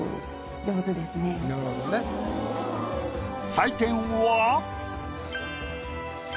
採点は。